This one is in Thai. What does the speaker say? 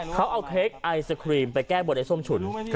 เขาเอาเค้กไอศครีมไปแก้บนไอ้ส้มฉุน